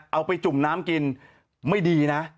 ไปจุ่มน้ำกินไม่ดีนะ